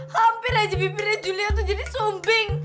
hampir aja bibirnya julia tuh jadi sumbing